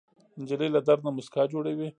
نجلۍ له درد نه موسکا جوړوي.